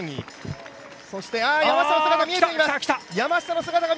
そして、山下の姿が見えています。